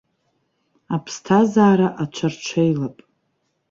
Аԥсҭазаара аҽарҽеилап.